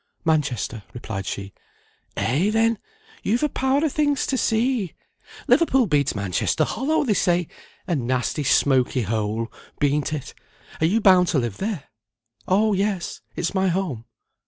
"Manchester," replied she. "Eh, then! you've a power of things to see. Liverpool beats Manchester hollow, they say. A nasty, smoky hole, bean't it? Are you bound to live there?" "Oh, yes! it's my home."